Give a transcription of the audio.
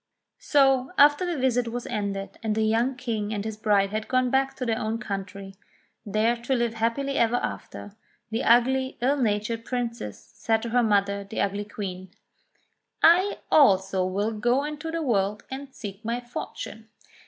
So, after the visit was ended, and the young King and his bride had gone back to their own country, there to live hap pily ever after, the ugly ill natured princess said to her mother, the ugly Queen : *'I also will go into the world and seek my fortune.